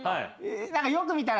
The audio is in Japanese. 何かよく見たら。